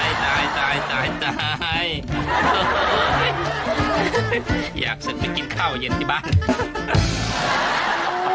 ยังสิ้นไปกินข้าวเย็นที่บ้าน